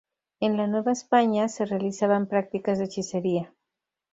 En la Nueva España se realizaban prácticas de hechicería.